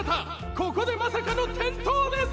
ここでまさかの転倒です！」